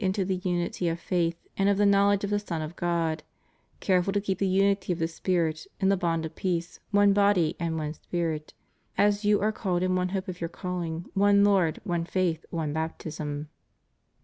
345 into the unity of faith and of the knowledge of the Son of God ^ careful to keep the unity of the Spirit in the bond of peace, one body and one Spirit; as you are called in one hope of your calling — one Lord, one faith, one bap tism.